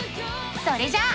それじゃあ。